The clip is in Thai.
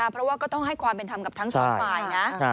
เพราะว่าก็ต้องให้ความเป็นธรรมกับทั้งสองฝ่ายนะ